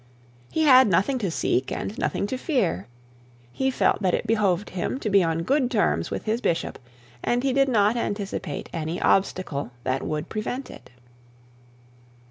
He had nothing to seek and nothing to fear; he felt that it behoved him to be on good terms with his bishop, and he did not anticipate any obstacle that would prevent it.